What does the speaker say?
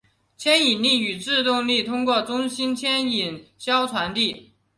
牵引力和制动力通过中心牵引销传递。